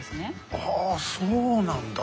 ああそうなんだ。